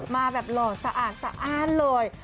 มาแบบหล่อสะอาดสะอ้านเลย